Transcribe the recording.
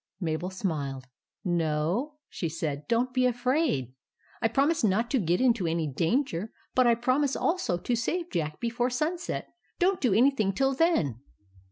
Mabel smiled. " No," she said ;" don't be afraid. I promise not to get into any danger ; but I promise also to save Jack before sunset. Don't do anything till then."